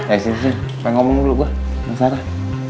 eh sini sini pengen ngomong dulu gue sama sarah